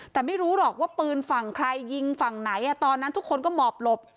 แต่ไม่รู้หรอกว่าปืนฝั่งใครยิงฝั่งไหนตอนนั้นทุกคนก็หมอบหลบ